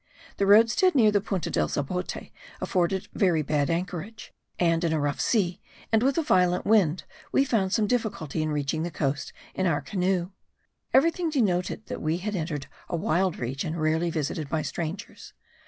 The roadstead near the Punta del Zapote afforded very bad anchorage; and in a rough sea, and with a violent wind, we found some difficulty in reaching the coast in our canoe. Everything denoted that we had entered a wild region rarely visited by strangers.